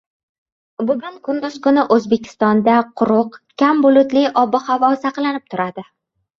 Bugun kunduz kuni O‘zbekistonda quruq, kam bulutli ob-havo saqlanib turadi